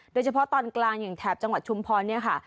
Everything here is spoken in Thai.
โดยเฉพาะตอนกลางอย่างแถบจังหวัดชุมพรเนี่ยค่ะ